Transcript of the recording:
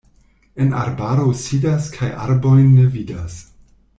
En arbaro sidas kaj arbojn ne vidas.